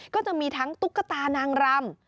ก็จะมีทั้งตุ๊กตานางรำ